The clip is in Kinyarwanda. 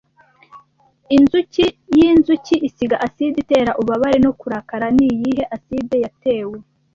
Inzuki yinzuki isiga aside itera ububabare no kurakara niyihe aside yatewe